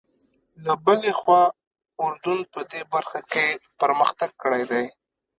له بلې خوا اردن په دې برخه کې پرمختګ کړی دی.